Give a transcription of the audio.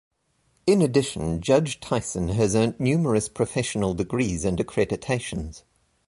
In addition, Judge Tyson has earned numerous professional degrees and accreditations.